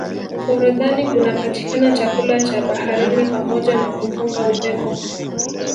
forodhani kunapatikana chakula cha baharini pamoja na kupunga upepo